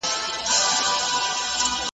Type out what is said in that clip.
لکه سلګۍ درته راغلی یم پایل نه یمه .